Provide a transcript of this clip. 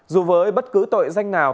dù với bất cứ tội danh nào